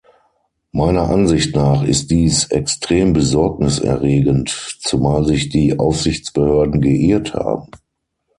Meiner Ansicht nach ist dies extrem Besorgnis erregend, zumal sich die Aufsichtsbehörden geirrt haben.